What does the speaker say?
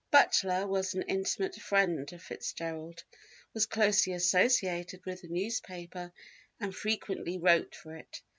Butler was an intimate friend of FitzGerald, was closely associated with the newspaper and frequently wrote for it.